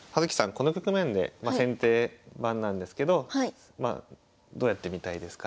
この局面でまあ先手番なんですけどまあどうやってみたいですか？